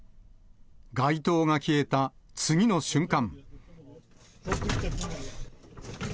街灯が消えた次の瞬間。